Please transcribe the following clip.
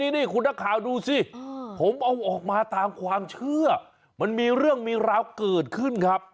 นี่คุณนักข่าวดูสิผมเอาออกมาตามความเชื่อมันมีเรื่องมีราวเกิดขึ้นครับ